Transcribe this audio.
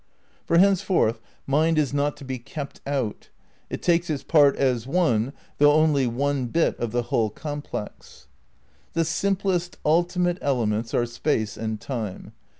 For, henceforth, mind is not to be kept out ; it takes its part as one, though only one bit of the whole complex. The simplest, ultimate elements are Space and Time.